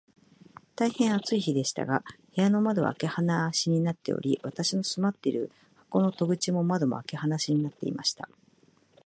大へん暑い日でしたが、部屋の窓は開け放しになっており、私の住まっている箱の戸口も窓も、開け放しになっていました。